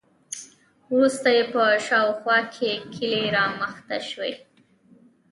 وروسته یې په شاوخوا کې کلي رامنځته شوي.